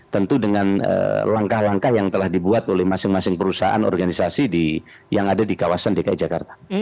tentu dengan langkah langkah yang telah dibuat oleh masing masing perusahaan organisasi yang ada di kawasan dki jakarta